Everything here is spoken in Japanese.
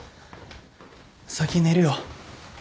先寝るよ。